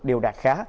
đều đạt khá